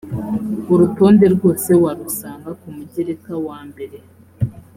urutonde rwose warusanga ku mugereka wambere